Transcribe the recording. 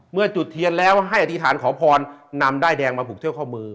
จุดเทียนแล้วให้อธิษฐานขอพรนำด้ายแดงมาผูกเที่ยวข้อมือ